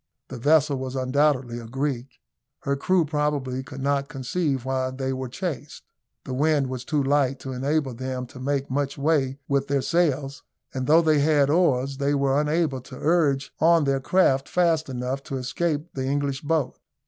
The vessel was undoubtedly a Greek. Her crew probably could not conceive why they were chased. The wind was too light to enable them to make much way with their sails; and though they had oars, they were unable to urge on their craft fast enough to escape the English boat.